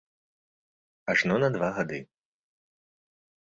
Ажно на два гады.